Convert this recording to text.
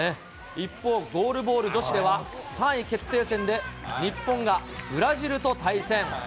一方、ゴールボール女子では３位決定戦で、日本がブラジルと対戦。